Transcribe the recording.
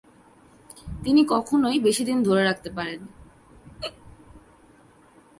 তিনি কখনোই বেশিদিন ধরে রাখতে পারেননি।